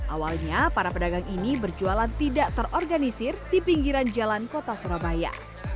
awalnya para pedagang ini berjualan tidak terorganisir di pinggiran jalan kota surabaya